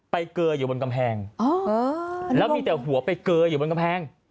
เกยอยู่บนกำแพงแล้วมีแต่หัวไปเกยอยู่บนกำแพง